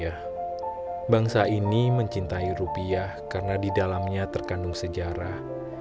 sejak tahun dua ribu bangsa ini mencintai rupiah karena di dalamnya terkandung sejarah